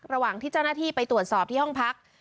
ระหว่างที่เจ้าหน้าที่ไปตรวจสอบที่ห้องพัก